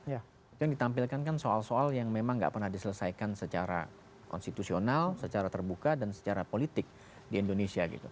itu yang ditampilkan kan soal soal yang memang nggak pernah diselesaikan secara konstitusional secara terbuka dan secara politik di indonesia gitu